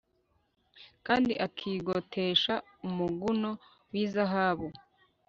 kandi akigotesha umuguno w izahabu